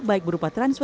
baik berupa transaksi